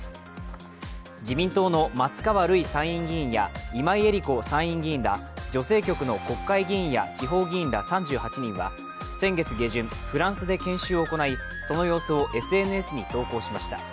自民党の松川るい参院議員や今井絵理子参院議員ら女性局の国会議員や地方議員ら３８人は先月下旬、フランスで研修を行い、その様子をＳＮＳに投稿しました。